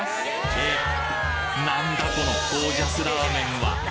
なんだこのゴージャスラーメンは！？